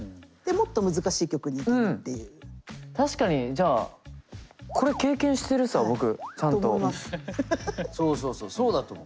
じゃあそうそうそうそうだと思う。